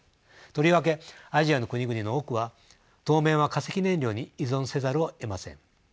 とりわけアジアの国々の多くは当面は化石燃料に依存せざるをえません。